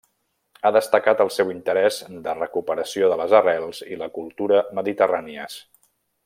Ha destacat el seu interès de recuperació de les arrels i la cultura mediterrànies.